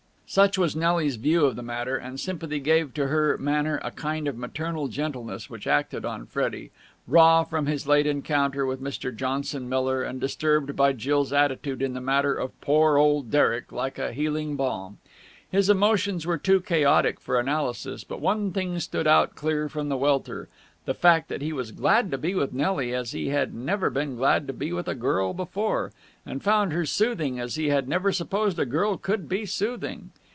Such was Nelly's view of the matter, and sympathy gave to her manner a kind of maternal gentleness which acted on Freddie, raw from his late encounter with Mr. Johnson Miller and disturbed by Jill's attitude in the matter of poor old Derek, like a healing balm. His emotions were too chaotic for analysis, but one thing stood out clear from the welter the fact that he was glad to be with Nelly as he had never been glad to be with a girl before, and found her soothing as he had never supposed a girl could be soothing.